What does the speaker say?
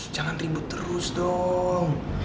jangan ribut terus dong